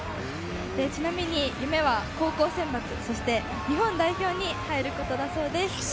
ちなみに夢は高校選抜、そして日本代表に入ることだそうです。